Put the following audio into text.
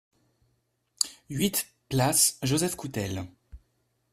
huit place Joseph Coutel